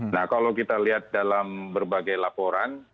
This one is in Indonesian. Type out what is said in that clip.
nah kalau kita lihat dalam berbagai laporan